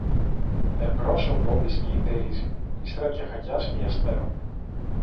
Εμπρός ο Μπόμπης και η Ντέιζη, ύστερα ο Κεχαγιάς και η Αστέρω